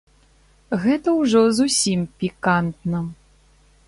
Гэта ўжо зусім пікантна!